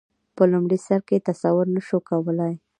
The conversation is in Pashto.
په لومړي سر کې تصور نه شو کولای.